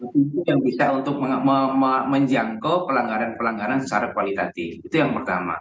tubuh yang bisa untuk menjangkau pelanggaran pelanggaran secara kualitatif itu yang pertama